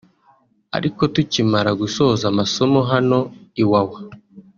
ariko tukimara gusoza amasomo hano Iwawa